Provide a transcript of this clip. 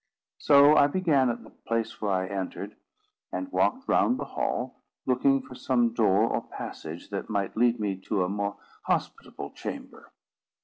So I began at the place where I entered, and walked round the hall, looking for some door or passage that might lead me to a more hospitable chamber.